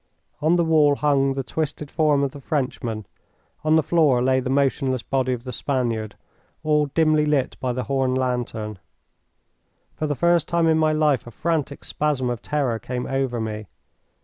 On the wall hung the twisted form of the Frenchman, on the floor lay the motionless body of the Spaniard, all dimly lit by the horn lantern. For the first time in my life a frantic spasm of terror came over me.